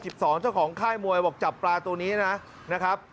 เจ้าของค่ายมวยบอกจับปลาตัวนี้นะครับ